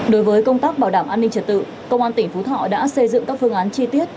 đối với công tác bảo đảm an ninh trật tự công an tỉnh phú thọ đã xây dựng các phương án chi tiết